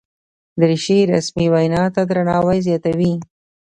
دریشي رسمي وینا ته درناوی زیاتوي.